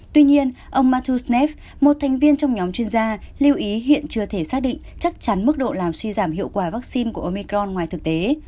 tuy nhiên ông mathuznev một thành viên trong nhóm chuyên gia lưu ý hiện chưa thể xác định chắc chắn mức độ làm suy giảm hiệu quả vaccine của omicron ngoài thực tế